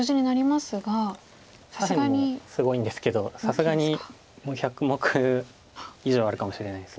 左辺もすごいんですけどさすがにもう１００目以上あるかもしれないです